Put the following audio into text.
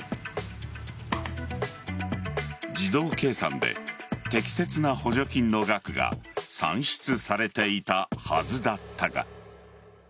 自動計算で適切な補助金の額が算出されていたはずだったが。